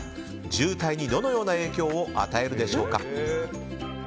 渋滞にどのような影響を与えるでしょうか？